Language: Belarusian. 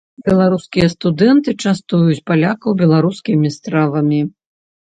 Беларускія студэнты частуюць палякаў беларускімі стравамі.